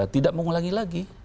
tidak mengulangi lagi